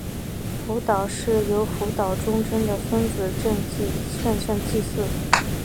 福岛氏由福岛忠胜的孙子正胜继嗣。